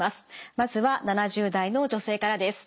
まずは７０代の女性からです。